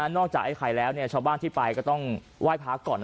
จากไอ้ไข่แล้วชาวบ้านที่ไปก็ต้องไหว้พระก่อน